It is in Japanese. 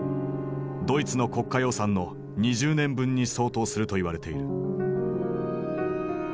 ドイツの国家予算の２０年分に相当すると言われている。